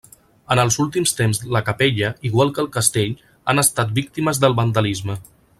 En els últims temps la capella, igual que el castell, han estat víctimes del vandalisme.